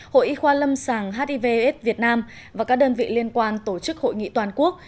hội y khoa lâm sàng hivs việt nam và các đơn vị liên quan tổ chức hội nghị toàn quốc